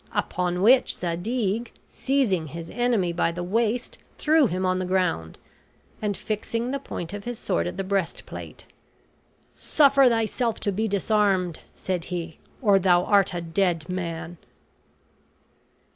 Upon which Zadig, seizing his enemy by the waist, threw him on the ground; and fixing the point of his sword at the breastplate, "Suffer thyself to be disarmed," said he, "or thou art a dead man."